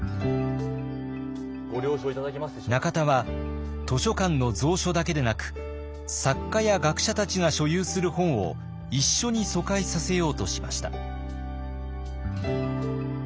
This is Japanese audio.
中田は図書館の蔵書だけでなく作家や学者たちが所有する本を一緒に疎開させようとしました。